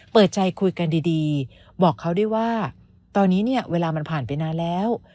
เปิดใจคุยกันดีบอกเขาด้วยว่าตอนนี้เนี่ยเวลามันผ่านไปนานแล้ว